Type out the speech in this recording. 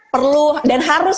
perlu dan harus